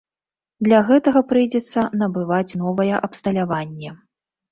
Для гэтага прыйдзецца набываць новае абсталяванне.